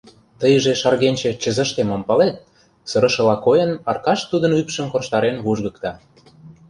— Тыйже, шаргенче, чызыште мом палет? — сырышыла койын, Аркаш тудын ӱпшым корштарен вужгыкта.